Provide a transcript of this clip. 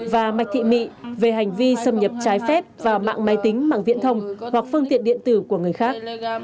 và mạch thị mị về hành vi xâm nhập trái phép vào mạng máy tính mạng viễn thông hoặc phương tiện điện tử của người khác